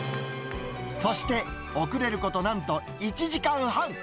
そして遅れること、なんと１時間半。